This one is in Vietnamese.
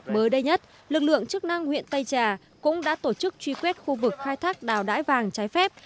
mới đây nhất lực lượng chức năng huyện tây trà cũng đã tổ chức truy quét khu vực khai thác đào đải vàng trái phép